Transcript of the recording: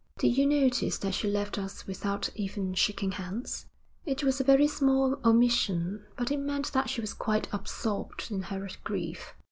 'Did you notice that she left us without even shaking hands? It was a very small omission, but it meant that she was quite absorbed in her grief.'